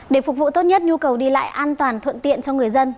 để phục vụ tốt nhất nhu cầu đi lại an toàn thuận tiện cho người dân